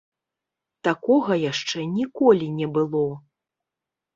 Такога яшчэ ніколі не было!